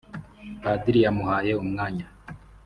padiri yamuhaye umwanya